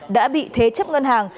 đã bị thế chấp ngân hàng